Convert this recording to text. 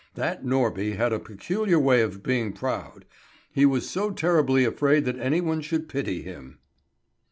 That Norby had a peculiar way of being proud! He was so terribly afraid that any one should pity him.